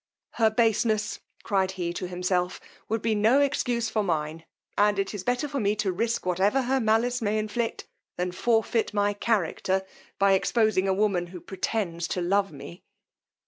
Her baseness, cried he to himself, would be no excuse for mine; and it is better for me to risque whatever her malice may inflict, than forfeit my character, by exposing a woman who pretends to love me.